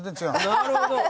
なるほど。